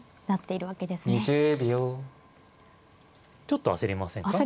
ちょっと焦りませんか。